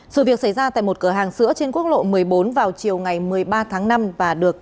sự việc xảy ra tại một cửa hàng sữa trên quốc lộ một mươi bốn vào chiều ngày một mươi ba tháng năm và được